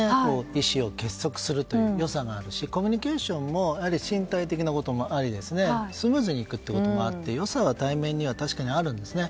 意志を結束するという良さもあるしコミュニケーションも身体的なこともありスムーズにいくこともあって良さもあるんですね。